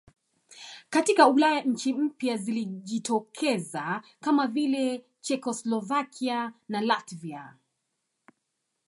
Katika Ulaya nchi mpya zilijitokeza kama vile Chekoslovakia na Latvia